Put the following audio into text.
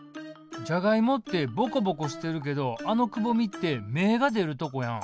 じゃがいもってぼこぼこしてるけどあのくぼみって芽が出るとこやん？